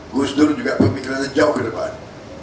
gus dur juga pemikirannya jauh ke depan